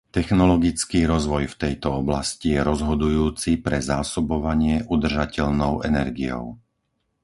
Technologický rozvoj v tejto oblasti je rozhodujúci pre zásobovanie udržateľnou energiou.